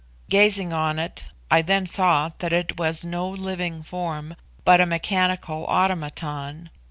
Gazing on it, I then saw that it was no living form, but a mechanical automaton.